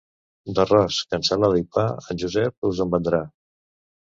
D'arròs, cansalada i pa, en Josep us en vendrà.